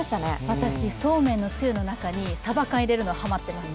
私、そうめんのつゆの中にさば缶入れるのハマってます。